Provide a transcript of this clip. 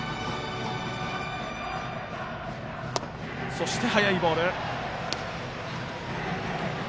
そして、速いボール。